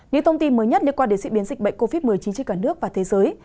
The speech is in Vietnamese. những thông tin mới nhất liên quan đến diễn biến dịch bệnh covid một mươi chín trên cả nước và thế giới